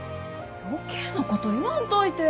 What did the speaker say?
余計なこと言わんといて！